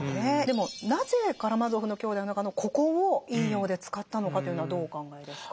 でもなぜ「カラマーゾフの兄弟」の中のここを引用で使ったのかというのはどうお考えですか？